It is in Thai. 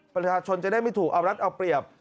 ประชาชนจะได้ไม่ถูกเอารัฐเอาเปรียบ